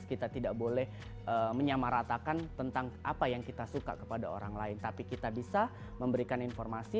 kita tidak boleh menyamaratakan tentang apa yang kita suka kepada orang lain tapi kita bisa memberikan informasi